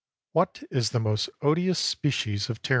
What is the most odious species of tj ranny?